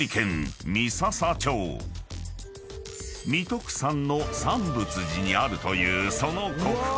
［三徳山の三佛寺にあるというその国宝］